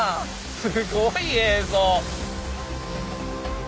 すごい映像。